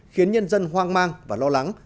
khiến nhân dân hoang mang và lo lắng